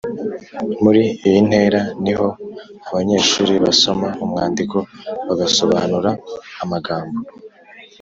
Muri iyi ntera ni ho abanyeshuri basoma umwandiko, bagasobanura amagambo